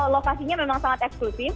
lokasinya memang sangat eksklusif